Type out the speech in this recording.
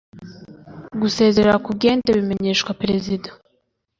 Gusezera ku bwende bimenyeshwa Perezida.